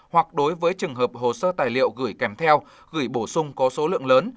hoặc đối với trường hợp hồ sơ tài liệu gửi kèm theo gửi bổ sung có số lượng lớn